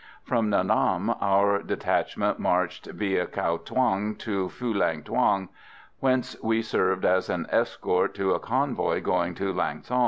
From Nha Nam our detachment marched via Cao Thuong to Phulang Thuong, whence we served as an escort to a convoy going to Lang son.